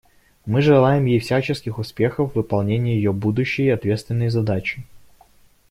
Мы желаем ей всяческих успехов в выполнении ее будущей ответственной задачи.